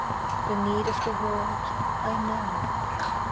The need of the world I know.